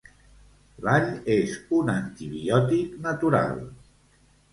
L'all és un antibiòtic natural.